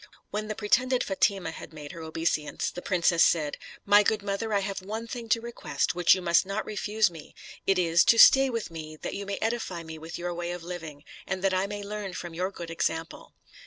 When the pretended Fatima had made her obeisance, the princess said, "My good mother, I have one thing to request, which you must not refuse me: it is, to stay with me, that you may edify me with your way of living, and that I may learn from your good example."